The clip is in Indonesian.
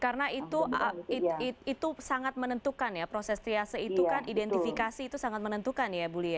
karena itu sangat menentukan ya proses triasel itu kan identifikasi itu sangat menentukan ya bu lia